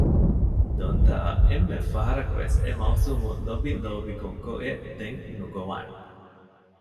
ދޮންތައަށް އެންމެ ފަހަރަކުވެސް އެ މައުސޫމު ލޮބިލޯބި ކޮއްކޮއެއް ދެން ނުގޮވާނެ